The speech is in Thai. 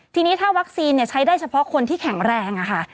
ทีนี้ถ้าวัคซีนใช้ได้เฉพาะคนที่แข็งแรงค่ะ